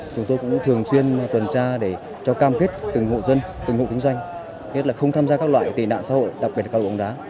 chúng tôi cũng thường xuyên tuần tra để cho cam kết từng hộ dân từng hộ kinh doanh nhất là không tham gia các loại tệ nạn xã hội đặc biệt là cao độ bóng đá